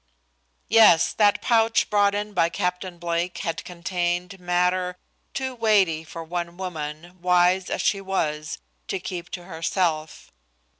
Yes, that pouch brought in by Captain Blake had contained matter too weighty for one woman, wise as she was, to keep to herself.